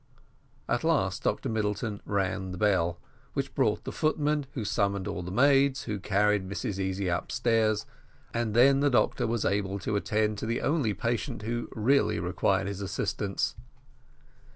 At last Dr Middleton rang the bell, which brought the footman, who summoned all the maids, who carried Mrs Easy upstairs, and then the doctor was able to attend to the only patient who really required his assistance.